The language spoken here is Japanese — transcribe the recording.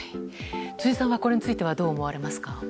辻さんはこれについてはどう思われますか？